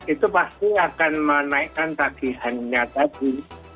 itu pasti akan menaikkan tagihannya tadi